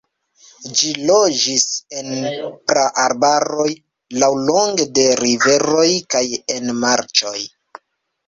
Ĝi loĝis en praarbaroj laŭlonge de riveroj kaj en marĉoj.